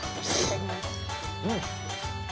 うん！